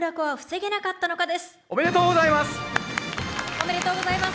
おめでとうございます。